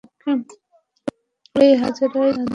এই হাজেরাই তোমাদের আদি মাতা।